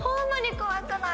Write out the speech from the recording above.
怖くない！